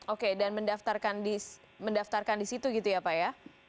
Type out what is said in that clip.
oke dan mendaftarkan di situ gitu ya pak ya